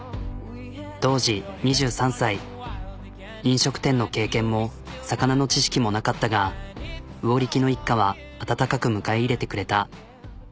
当時２３歳飲食店の経験も魚の知識もなかったが魚力の一家は温かく迎え入れてくれた。